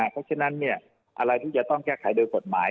เพราะฉะนั้นอะไรที่จะต้องแก้ไขโดยกฎหมาย